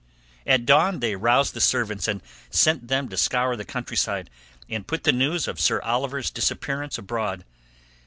At dawn they roused the servants and sent them to scour the countryside and put the news of Sir Oliver's disappearance abroad.